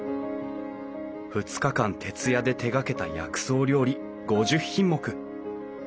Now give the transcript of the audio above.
２日間徹夜で手がけた薬草料理５０品目。